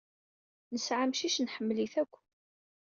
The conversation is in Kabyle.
Nesɛa amcic. Nḥemmel-it akk.